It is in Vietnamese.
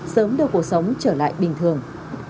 sớm đưa cuộc sống trở lại bình thường